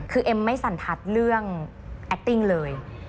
คือเอ็มไม่สันทัศน์เรื่องแอคติ้งเลย